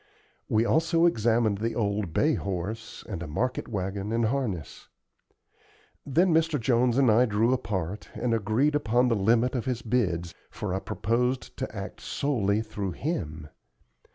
We also examined the old bay horse and a market wagon and harness. Then Mr. Jones and I drew apart and agreed upon the limit of his bids, for I proposed to act solely through him.